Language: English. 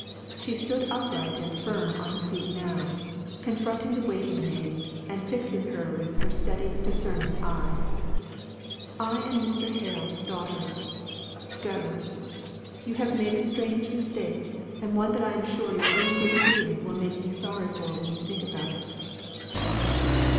She stood upright and firm on her feet now, confronting the waiting maid, and fixing her with her steady discerning eye. "I am Mr. Hale's daughter. Go! You have made a strange mistake, and one that I am sure your own good feeling will make you sorry for when you think about it."